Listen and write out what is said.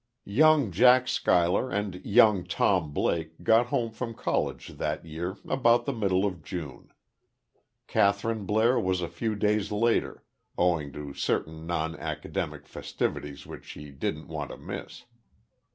Young Jack Schuyler and young Tom Blake got home from college that year about the middle of June. Kathryn Blair was a few days later, owing to certain nonacademic festivities which she didn't want to miss.